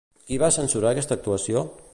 Qui va censurar aquesta actuació?